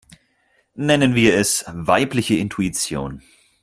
Nennen wir es weibliche Intuition.